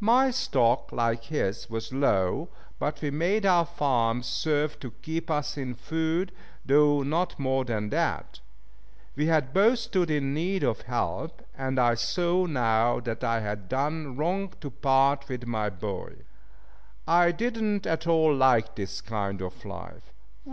My stock, like his, was low, but we made our farms serve to keep us in food, though not more than that. We both stood in need of help, and I saw now that I had done wrong to part with my boy. I did not at all like this kind of life.